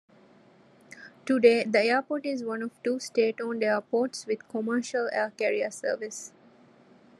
Today, the airport is one of two state-owned airports with commercial air carrier service.